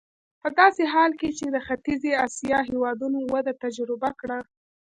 په داسې حال کې چې د ختیځې اسیا هېوادونو وده تجربه کړه.